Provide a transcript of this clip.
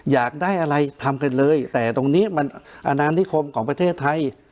อยากได้อะไรทำกันเลยแต่ตรงนี้มันอนานิคมของประเทศไทย